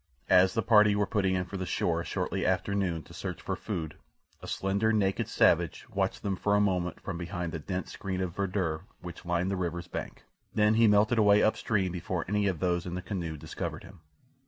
As the party were putting in for the shore shortly after noon to search for food a slender, naked savage watched them for a moment from behind the dense screen of verdure which lined the river's bank, then he melted away up stream before any of those in the canoe discovered him.